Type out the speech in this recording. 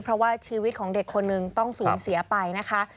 เพราะว่าชีวิตของเด็กคนนึงต้องสูญเสียไปนะคะ